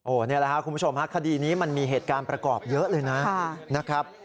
นี่แหละครับคุณผู้ชมฮะคดีนี้มันมีเหตุการณ์ประกอบเยอะเลยนะครับ